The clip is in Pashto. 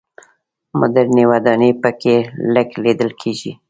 مډرنې ودانۍ په کې لږ لیدل کېږي.